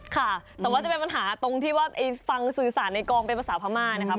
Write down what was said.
ค่ะแต่ว่าจะเป็นปัญหาตรงที่ว่าฟังสื่อสารในกองเป็นภาษาพม่านะครับ